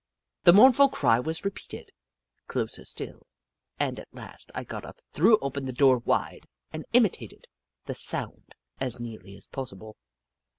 The mournful cry was repeated, closer still, and at last I got up, threw open the door wide, and imitated the sound as nearly as possible.